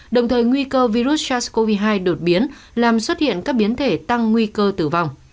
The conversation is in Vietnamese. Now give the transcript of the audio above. đồng thời nguy cơ virus sars cov hai đột biến làm xuất hiện các biến thể tăng nguy cơ tử vong